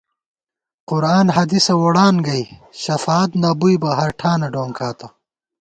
قرآن حدیثہ ووڑان گئ، شفاعت نہ بُوئی بہ ہرٹھانہ ڈونکاتہ